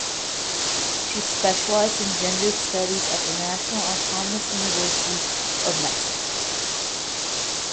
She specialized in gender studies at the National Autonomous University of Mexico.